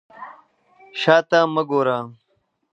شا ته مه ګوره.